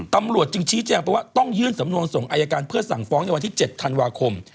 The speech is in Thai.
ตำรวจจึงชี้แจงไปว่าต้องยื่นสำนวนส่งอายการเพื่อสั่งฟ้องในวันที่๗ธันวาคม